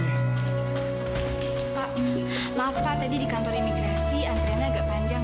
tadi di kantor imigrasi antreannya agak panjang